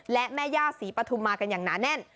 และแม่ย่าศรีปฐุมมากันอย่างหนาแน่น